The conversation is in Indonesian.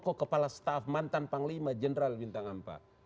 muldoko kepala staf mantan panglima general bintang ampa